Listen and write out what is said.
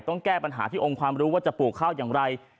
แก้ปัญหาที่องค์ความรู้ว่าจะปลูกข้าวอย่างไร